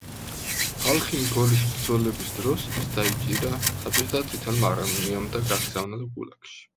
ხალხინ-გოლის ბრძოლების დროს, ის დაიჭირა საბჭოთა წითელმა არმიამ და გაგზავნა გულაგში.